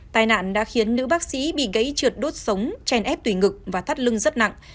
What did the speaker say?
tài nạn đã khiến nữ bác sĩ bị gây trượt đốt sống chèn ép tủy ngực và thắt lưng rất nặng